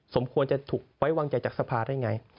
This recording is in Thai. สมควรจะถูกไว้วางใจจากสภาได้ไง